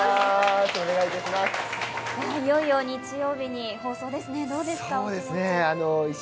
いよいよ日曜日に放送ですね、どうですか、お気持ち。